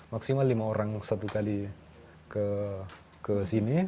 maksimal lima orang satu kali ke sini